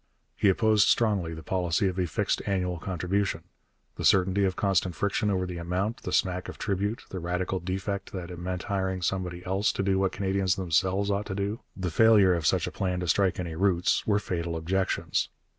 He opposed strongly the policy of a fixed annual contribution. The certainty of constant friction over the amount, the smack of tribute, the radical defect that it meant hiring somebody else to do what Canadians themselves ought to do, the failure of such a plan to strike any roots, were fatal objections.